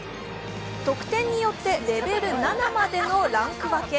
得点によってレベル７までのランク分け。